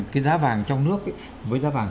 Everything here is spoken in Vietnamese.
cái giá vàng trong nước với giá vàng